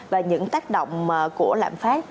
và những tác động của lạm phát